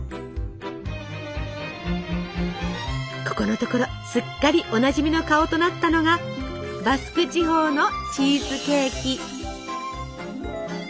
ここのところすっかりおなじみの顔となったのがバスク地方のチーズケーキ。